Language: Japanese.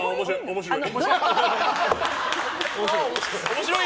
面白い！